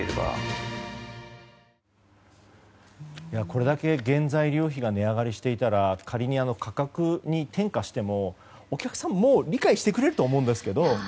これだけ原材料費が値上がりしていたら仮に価格に転嫁してもお客さんも理解してくれると思うんですけど。